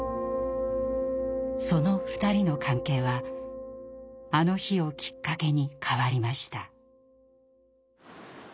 その２人の関係はあの日をきっかけに変わりました。